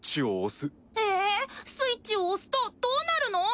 エ！スイッチを押すとどうなるの？